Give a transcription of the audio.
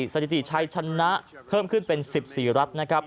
สถิติชัยชนะเพิ่มขึ้นเป็น๑๔รัฐนะครับ